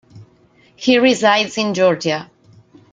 He resides in Georgia.